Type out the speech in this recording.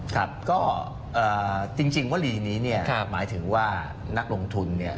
ครับก็จริงวรีนี้เนี่ยหมายถึงว่านักลงทุนเนี่ย